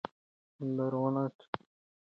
دا روڼتیا په خلکو کې د باور لپاره اړینه ده.